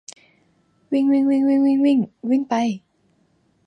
วิ่งวิ่งวิ่งวิ่งวิ่งวิ่ง วิ่งไป